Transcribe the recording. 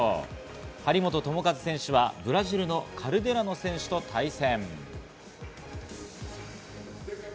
張本智和選手はブラジルのカルデラノ選手と対戦。